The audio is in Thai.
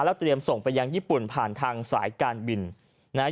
เตรียมส่งไปยังญี่ปุ่นผ่านทางสายการบินนะฮะ